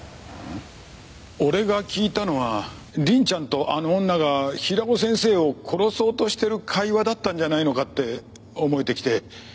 俺が聞いたのは凛ちゃんとあの女が平尾先生を殺そうとしてる会話だったんじゃないのかって思えてきて。